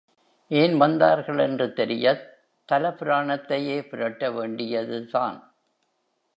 ஏன் வந்தார்கள் என்று தெரியத் தல புராணத்தையே புரட்ட வேண்டியதுதான்.